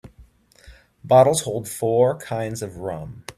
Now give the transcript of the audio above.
Bottles hold four kinds of rum.